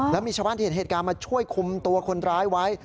แล้วมีชาวบ้านที่เห็นเหตุการณ์มาช่วยคุมตัวคนร้ายไว้